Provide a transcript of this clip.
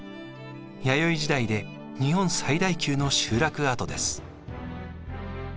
弥生時代で日本最大級の集落跡です。